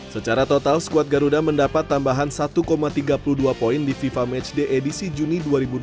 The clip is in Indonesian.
secara total skuad garuda mendapat tambahan satu tiga puluh dua poin di fifa matchday edisi juni dua ribu dua puluh